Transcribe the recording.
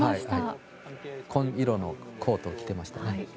紺色のコートを着てました。